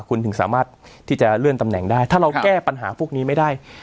คุณถึงสามารถที่จะเลื่อนตำแหน่งได้ถ้าเราแก้ปัญหาพวกนี้ไม่ได้